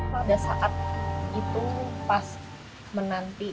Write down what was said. pada saat itu pas menanti